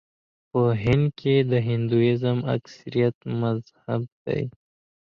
په هند کې د هندويزم اکثریت مذهب دی.